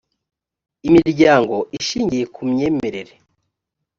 imiryango ishingiye ku myemerere